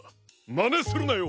まねするなよ！